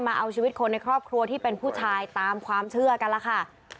เอาชีวิตคนในครอบครัวที่เป็นผู้ชายตามความเชื่อกันล่ะค่ะ